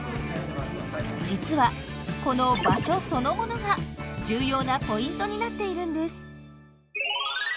実はこの「場所」そのものが重要なポイントになっているんです。